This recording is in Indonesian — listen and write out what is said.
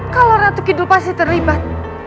kalau ratu kidul pasti terlibat